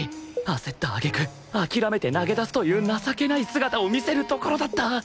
焦った揚げ句諦めて投げ出すという情けない姿を見せるところだった